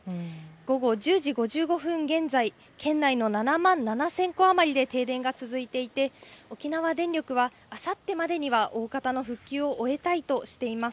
午後１０時５５分現在県内の７万７０００戸余りで停電が続いていて、沖縄電力はあさってまでには大方の復旧を終えたいとしています。